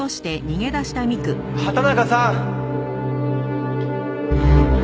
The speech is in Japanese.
畑中さん！